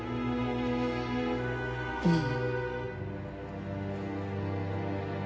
うん。